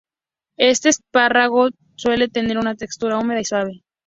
Este espárrago suele tener una textura húmeda y suave.